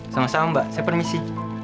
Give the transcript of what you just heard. sama sama mbak saya permisi